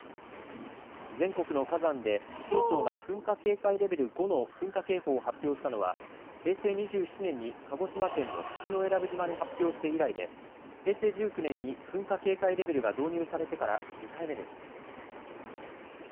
全国の火山で気象庁が噴火警戒レベル５の噴火警戒レベル５を発表したのは平成２７年鹿児島県の口永良部島に発表して以来で平成１９年に噴火警戒レベルが導入されてから２回目です。